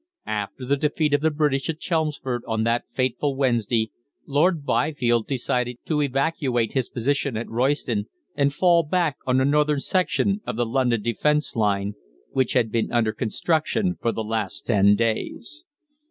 After the defeat of the British at Chelmsford on that fateful Wednesday, Lord Byfield decided to evacuate his position at Royston and fall back on the northern section of the London defence line, which had been under construction for the last ten days.